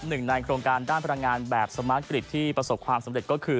หนึ่งในโครงการด้านพลังงานแบบสมาร์ทกริตที่ประสบความสำเร็จก็คือ